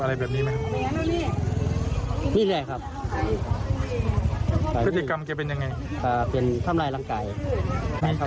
อะไรแบบนี้ไหมนี่แหละครับเก็บเป็นยังไงเป็นทำร้ายรักใจ